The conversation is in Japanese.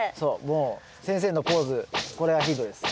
もう先生のポーズこれがヒントです。